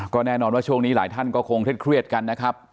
ก็แน่นอนว่าช่วงนี้หลายท่านก็คงเครียดกันนะครับ